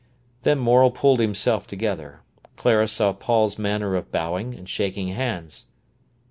Then Morel pulled himself together. Clara saw Paul's manner of bowing and shaking hands.